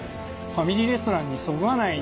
ファミリーレストランにそぐわない